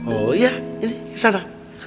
oh iya ini kesana